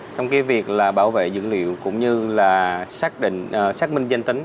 trong cái việc là bảo vệ dữ liệu cũng như là xác minh dân tính